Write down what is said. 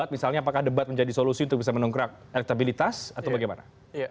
misalnya apakah debat menjadi solusi untuk bisa mendongkrak elektabilitas atau bagaimana